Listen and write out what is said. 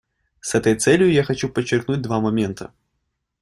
С этой целью я хочу подчеркнуть два момента.